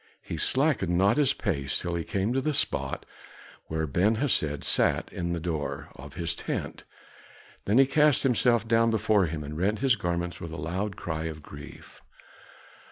He slackened not his pace till he came to the spot where Ben Hesed sat in the door of his tent, then he cast himself down before him and rent his garments with a loud cry of grief.